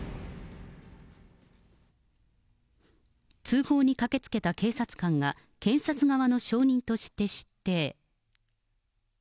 通報に駆けつけた警察官が、検察側の証人として出廷。